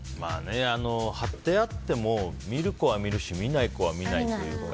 貼ってあっても見る子は見るし見ない子は見ないっていうのが。